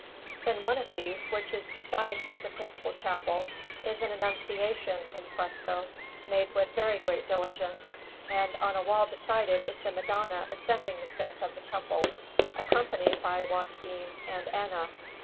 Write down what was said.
In one of these, which is beside the principal chapel, is an Annunciation in fresco, made with very great diligence, and on a wall beside it is the Madonna ascending the steps of the Temple, accompanied by Joachim and Anna.